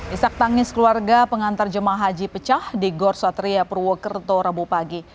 isak tangis keluarga pengantar jemaah haji pecah di gor satria purwokerto rabu pagi